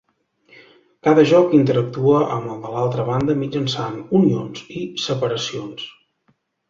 Cada joc interactua amb el de l'altra banda mitjançant unions i separacions.